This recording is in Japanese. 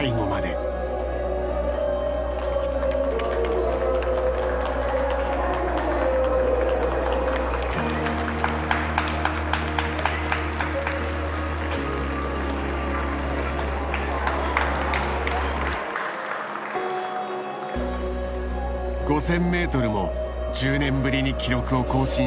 ５０００ｍも１０年ぶりに記録を更新して優勝。